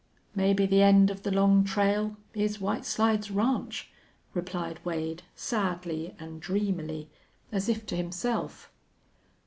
"Maybe the end of the long trail is White Slides Ranch," replied Wade, sadly and dreamily, as if to himself.